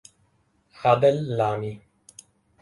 Adel Lami